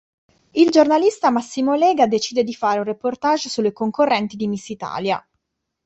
Il giornalista Massimo Lega decide di fare un reportage sulle concorrenti di Miss Italia.